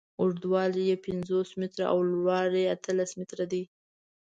اوږدوالی یې پنځوس متره او لوړوالی یې اتلس متره دی.